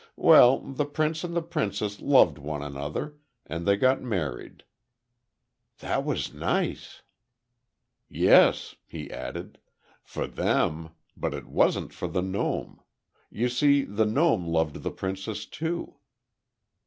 Well, the prince and the princess loved one another, and they got married." "That was nice." "Yes," he added; "for them. But it wasn't for the gnome. You see, the gnome loved the princess, too."